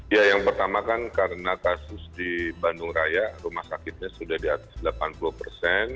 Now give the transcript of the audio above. ya yang pertama kan karena kasus di bandung raya rumah sakitnya sudah di atas delapan puluh persen